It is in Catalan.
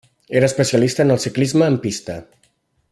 Era especialista en el ciclisme en pista.